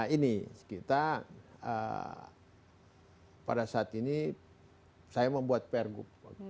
ini kita pada saat ini saya membuat pr group